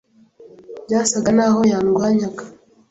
Byasaga naho yandwanyaga